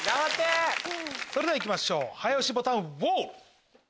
それではいきましょう早押しボタンウォール！